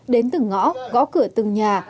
đến từ ngõ gõ cửa từng nhà